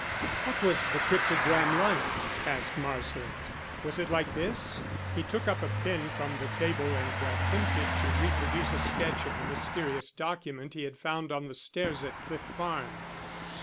"What was the cryptogram like?" asked Marsland. "Was it like this?" He took up a pen from the table and attempted to reproduce a sketch of the mysterious document he had found on the stairs at Cliff Farm.